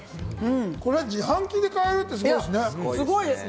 これ自販機で買えるって、すごいですね。